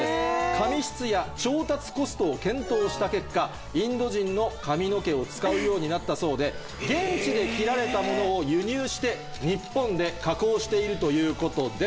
髪質や調達コストを検討した結果インド人の髪の毛を使うようになったそうで現地で切られたものを輸入して日本で加工しているということです。